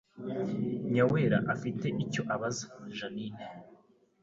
Nyawera afite icyo abaza Jeaninne